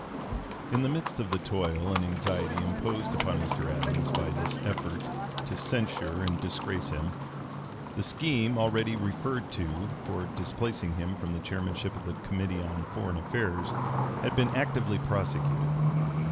In the midst of the toil and anxiety imposed upon Mr. Adams by this effort to censure and disgrace him, the scheme, already referred to, for displacing him from the chairmanship of the Committee on (p. 289) Foreign Affairs had been actively prosecuted.